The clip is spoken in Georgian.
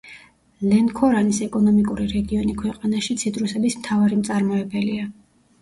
ლენქორანის ეკონომიკური რეგიონი ქვეყნაში ციტრუსების მთავარი მწარმოებელია.